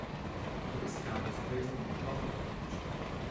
Taliska was based on the Gothic language.